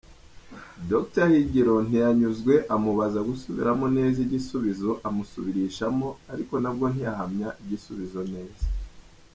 Dr Higiro ntiyanyuzwe amubaza gusubiramo neza igisubizo amusubirishamo ariko nabwo ntiyahamya igisubizo neza.